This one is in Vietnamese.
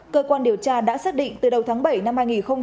cơ quan điều tra đã xác định từ đầu tháng bảy năm hai nghìn một mươi tám